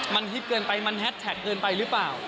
มันฮิตเกินไปมันแฮดแท็กเกินไปหรือเปล่า